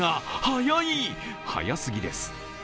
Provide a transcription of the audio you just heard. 速すぎです。